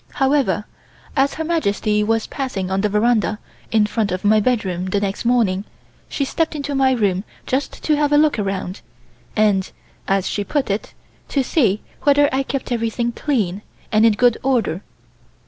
However, as Her Majesty was passing on the veranda in front of my bedroom the next morning she stepped into the room just to have a look around and, as she put it, to see whether I kept everything clean, and in good order.